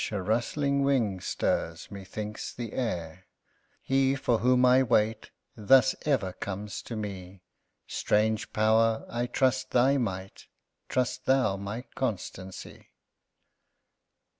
a rustling wing stirs, methinks, the air: He for whom I wait, thus ever comes to me; Strange Power! I trust thy might; trust thou my constancy.